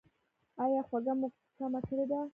ایا خوږه مو کمه کړې ده؟